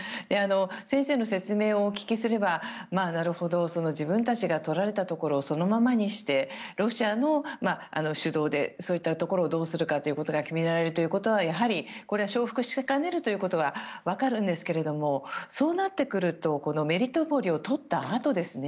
先生の説明をお聞きすればなるほど自分たちが取られたところをそのままにしてロシアの主導でそういったところをどうするかということが決められるということがやはりこれは承服しかねるということは分かるんですけどそうなってくるとメリトポリをとったあとですね